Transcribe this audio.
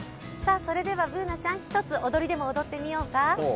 それではＢｏｏｎａちゃん、一つ踊りでも踊ってみようか？